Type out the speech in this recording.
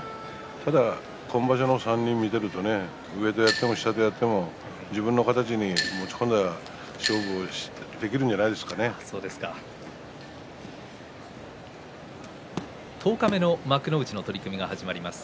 ただ今場所の３人を見ていると上とやっても下とやっても自分の形に持ち込んだら十日目の幕内の取組が始まります。